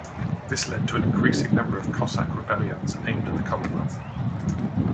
This led to an increasing number of Cossack rebellions aimed at the Commonwealth.